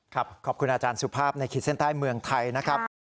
ขอบคุณอาจารย์สุภาพในขีดเส้นใต้เมืองไทยนะครับ